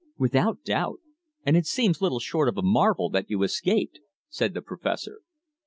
"Without doubt. And it seems little short of a marvel that you escaped," said the Professor.